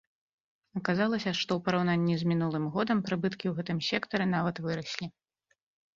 Аказалася, што ў параўнанні з мінулым годам прыбыткі ў гэтым сектары нават выраслі.